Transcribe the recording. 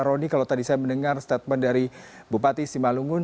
roni kalau tadi saya mendengar statement dari bupati simalungun